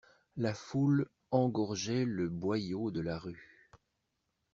La foule engorgeait le boyau de la rue.